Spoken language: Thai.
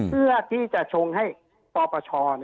เพื่อที่จะชงให้ปปช